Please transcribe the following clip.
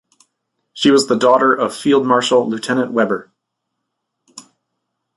She was the daughter of Field Marshal Lieutenant Weber.